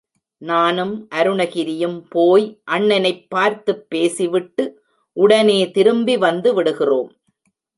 நானும் அருணகிரியும் போய் அண்ணனைப் பார்த்துப் பேசிவிட்டு உடனே திரும்பி வந்து விடுகிறோம்.